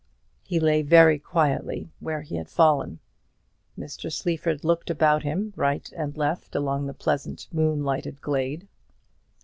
He lay very quietly where he had fallen. Mr. Sleaford looked about him right and left along the pleasant moon lighted glade.